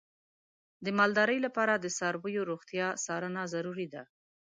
د مالدارۍ لپاره د څارویو روغتیا څارنه ضروري ده.